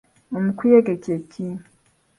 Omukuyege kye ki?